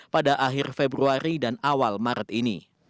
pada akhir februari dan awal maret ini